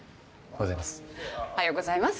おはようございます。